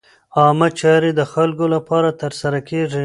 عامه چارې د خلکو لپاره ترسره کېږي.